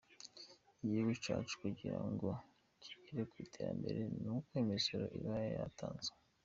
Igihugu cyacu kugira ngo kigere ku iterambere n’uko imisoro iba yatanzwe.